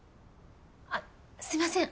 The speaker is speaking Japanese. あっすいません。